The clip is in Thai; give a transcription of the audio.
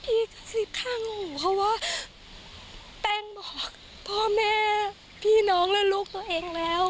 อีกสิบครั้งเพราะว่าแป้งบอกพ่อแม่พี่น้องและลูกตัวเองแล้ว